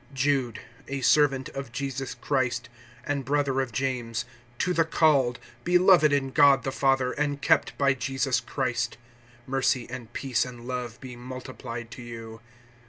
JUDE, a servant of Jesus Christ, and brother of James, to the called, beloved in God the Father, and kept by Jesus Christ[1:1]: (2)Mercy, and peace, and love, be multiplied to you.